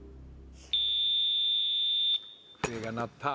笛が鳴った。